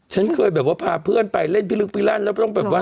ฉันเคยแบบว่าพาเพื่อนไปเล่นพิลึกพิลั่นแล้วต้องแบบว่า